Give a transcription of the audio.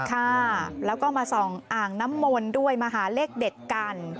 ค่ะแล้วก็มาส่องอ่างน้ำมนต์ด้วยมาหาเลขเด็ดกัน